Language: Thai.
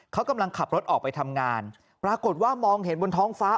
เขากำลังขับรถออกไปทำงานปรากฏว่ามองเห็นบนท้องฟ้า